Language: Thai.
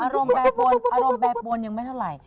อารมณ์แปรปวนยังไม่เท่าไหร่